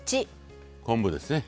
昆布ですね。